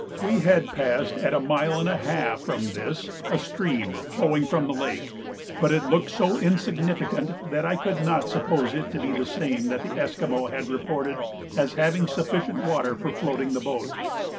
We had passed at a mile and a half from this a stream flowing from the lake, but it looked so insignificant that I could not suppose it to be the same that the Esquimaux had reported as having sufficient water for floating the boat.